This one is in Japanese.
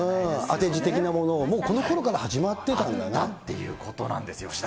当て字的なことを、もうこのころから始まっていたんだな。ってことなんですよ。